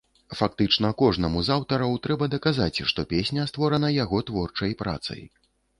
Фактычна кожнаму з аўтараў трэба даказаць, што песня створана яго творчай працай.